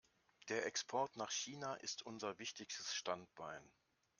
Der Export nach China ist unser wichtigstes Standbein.